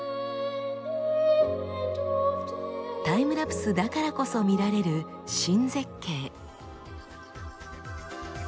タイムラプスだからこそ見られる新絶景。